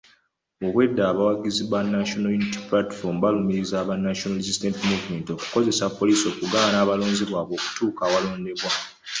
Obwedda abawagizi ba National Unity Platform balumiriza aba National Resistance Movement okukozesa poliisi okugaana abalonzi baabwe okutuuka awalonderwa.